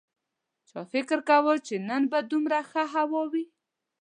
چا فکر کاوه چې نن به دومره ښه هوا وي